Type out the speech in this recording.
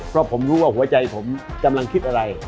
เพราะผมรู้ว่าหัวใจผมกำลังคิดอะไร